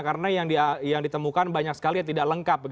karena yang ditemukan banyak sekali tidak lengkap